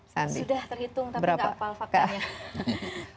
sudah terhitung tapi nggak hafal faktanya